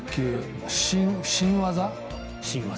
新技。